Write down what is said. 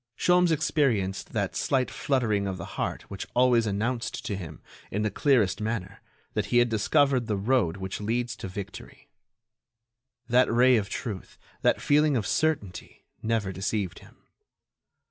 Sholmes experienced that slight fluttering of the heart which always announced to him, in the clearest manner, that he had discovered the road which leads to victory. That ray of truth, that feeling of certainty, never deceived him.